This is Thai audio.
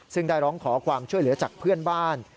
ซึ่งได้ร้องขอความช่วยเหลือจากเพื่อนบ้าน